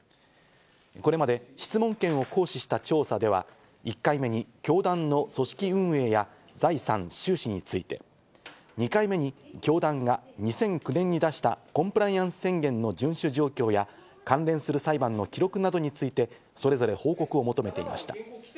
これまで質問権を行使した調査では、１回目に教団の組織運営や財産・収支について、２回目に教団が２００９年に出したコンプライアンス宣言の順守状況や、関連する裁判の記録などについて、それぞれ、報告を求めていました。